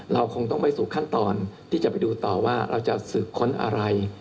เราคงต้องไปสู่ขั้นตอนที่จะไปดูต่อว่าเราจะสืบค้นอะไร